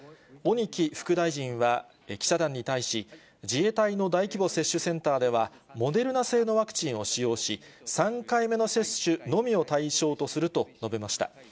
鬼木副大臣は記者団に対し、自衛隊の大規模接種センターでは、モデルナ製のワクチンを使用し、３回目の接種のみを対象とすると述べました。